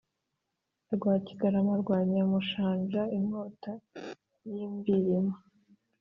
Rwakigarama rwa Nyamushanja inkota y’i Mbilima